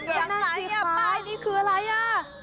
อย่างไรป้ายนี้คืออะไร